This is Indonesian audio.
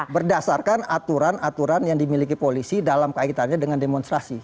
berdasarkan aturan aturan yang dimiliki polisi dalam kaitannya dengan demonstrasi